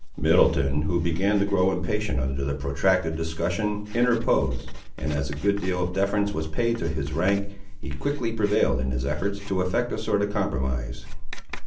Middleton, who began to grow impatient under the protracted discussion, interposed, and, as a good deal of deference was paid to his rank, he quickly prevailed in his efforts to effect a sort of compromise.